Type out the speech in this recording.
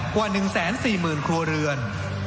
กว่า๑๔๐๐๐ครัวเรือน